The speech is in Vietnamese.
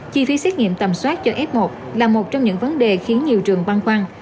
chi phí xét nghiệm tầm soát cho f một là một trong những vấn đề khiến nhiều trường băn khoăn